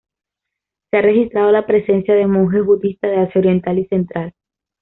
Se ha registrado la presencia de monjes budistas de Asia Oriental y central.